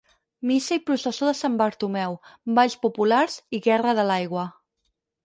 Missa i processó de Sant Bartomeu, balls populars i guerra de l'aigua.